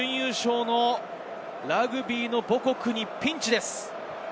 ラグビーの母国にピンチです。